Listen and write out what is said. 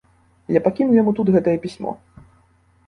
Я пакіну яму тут гэтае пісьмо.